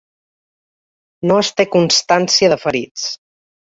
No es té constància de ferits.